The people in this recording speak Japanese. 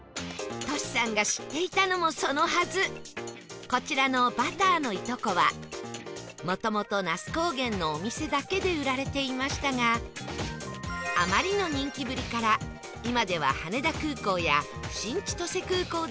トシさんがこちらのバターのいとこは元々那須高原のお店だけで売られていましたがあまりの人気ぶりから今では羽田空港や新千歳空港でも販売